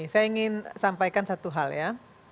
saya ingin sampaikan satu hal ya